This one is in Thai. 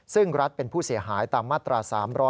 ซึ่งรัฐเป็นผู้เสียหายตามมาตรา๓๕